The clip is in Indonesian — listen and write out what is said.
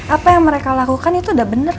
apa yang mereka lakukan itu udah bener